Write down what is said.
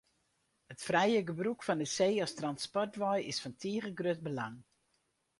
It frije gebrûk fan de see as transportwei is fan tige grut belang.